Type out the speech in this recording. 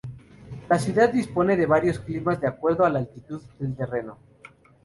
La ciudad dispone de varios climas de acuerdo la altitud del terreno.